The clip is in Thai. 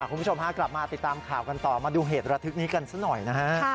คุณผู้ชมฮะกลับมาติดตามข่าวกันต่อมาดูเหตุระทึกนี้กันซะหน่อยนะฮะ